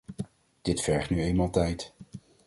Dit vergt nu eenmaal tijd.